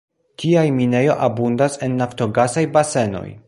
Tiaj minejo abundas en naftogasaj basenoj.